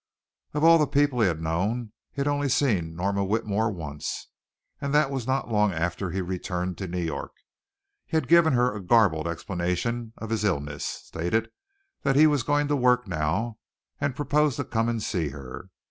Of all the people he had known, he had only seen Norma Whitmore once and that was not long after he returned to New York. He had given her a garbled explanation of his illness, stated that he was going to work now and proposed to come and see her.